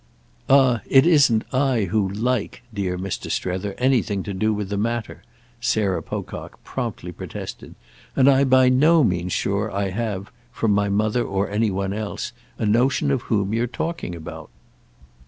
"Ah it isn't I who 'like,' dear Mr. Strether, anything to do with the matter!" Sarah Pocock promptly protested; "and I'm by no means sure I have—from my mother or from any one else—a notion of whom you're talking about."